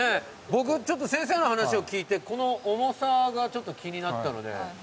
僕ちょっと先生の話を聞いてこの重さがちょっと気になったので。